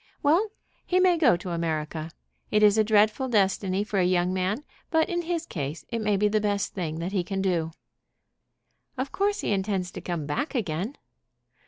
"Well; he may go to America. It is a dreadful destiny for a young man, but in his case it may be the best thing that he can do." "Of course he intends to come back again."